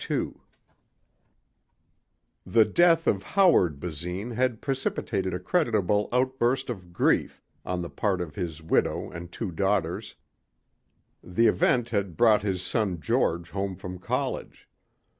2 The death of Howard Basine had precipitated a creditable outburst of grief on the part of his widow and two daughters. The event had brought his son George home from college.